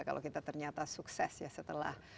kalau kita ternyata sukses ya setelah